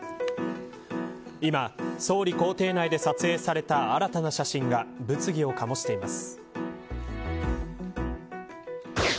今、総理公邸内で撮影された新たな写真が物議を醸しています。